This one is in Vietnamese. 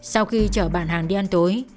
sau khi chở bạn hàng đi ăn tối